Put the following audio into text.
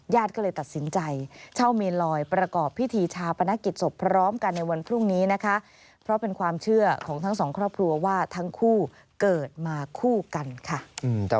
ญาติก็เลยตัดสินใจเช่าเมลอยประกอบพิธีชาปนกิจศพพร้อมกันในวันพรุ่งนี้นะคะ